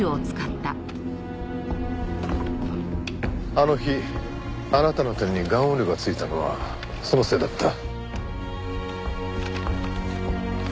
あの日あなたの手にガンオイルが付いたのはそのせいだった。